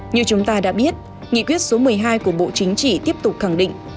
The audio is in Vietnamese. như chúng ta đã biết nghị quyết số một mươi hai của bộ chính trị tiếp tục khẳng định